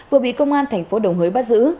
vừa bị công an thành phố đồng hới bắt giữ